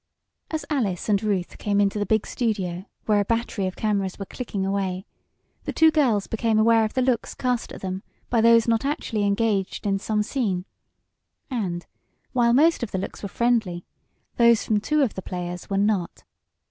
As Alice and Ruth came into the big studio, where a battery of cameras were clicking away, the two girls became aware of the looks cast at them by those not actually engaged in some scene. And, while most of the looks were friendly, those from two of the players were not.